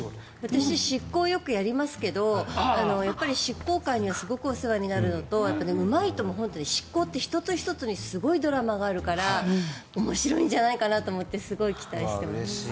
私、執行をよくやりますけどやっぱり執行官にはすごくお世話になるのと１つ１つにすごいドラマがあるから面白いんじゃないかなとすごい期待してます。